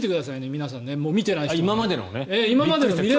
皆さん見てない人は。